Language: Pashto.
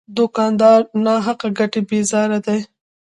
دوکاندار له ناحقه ګټې بیزاره دی.